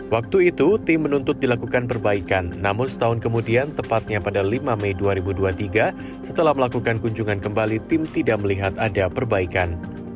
waktu itu tim menuntut dilakukan perbaikan namun setahun kemudian tepatnya pada lima mei dua ribu dua puluh tiga setelah melakukan kunjungan kembali tim tidak melihat ada perbaikan